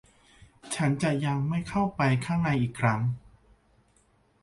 ฉันจะยังไม่เข้าไปข้างในอีกครั้ง